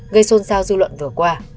gây xôn xao dư luận vừa qua